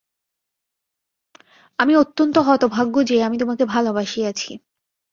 আমি অত্যন্ত হতভাগ্য যে, আমি তোমাকে ভালোবাসিয়াছি।